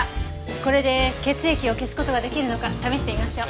これで血液を消す事が出来るのか試してみましょう。